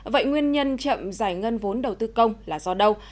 vậy nguyên nhân chậm giải ngân vốn đầu tư công là do đâu